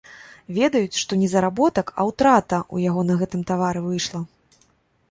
Ведаюць, што не заработак, а ўтрата ў яго на гэтым тавары выйшла.